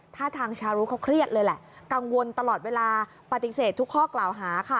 ถ้าทางชารุเขาเครียดเลยแหละกังวลตลอดเวลาปฏิเสธทุกข้อกล่าวหาค่ะ